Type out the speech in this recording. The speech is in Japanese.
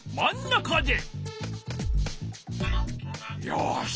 よし！